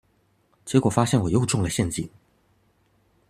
結果發現我又中了陷阱